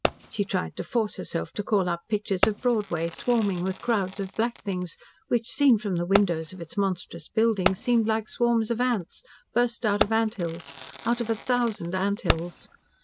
She tried to force herself to call up pictures of Broadway, swarming with crowds of black things, which, seen from the windows of its monstrous buildings, seemed like swarms of ants, burst out of ant hills, out of a thousand ant hills.